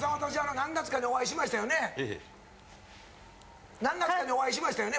何月かにお会いしましたよね